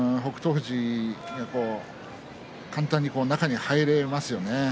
富士、簡単に中に入れますよね。